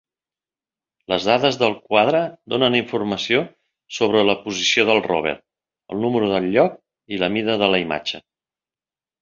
Les dades del quadre donen informació sobre la posició del 'rover', el número del lloc i la mida de la imatge.